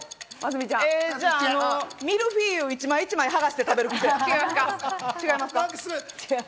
じゃあミルフィーユを一枚一枚はがして食べるクセ。